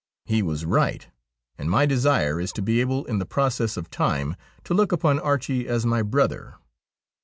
He was right, and my desire is to be able in the process of time to look upon Archie as my brother.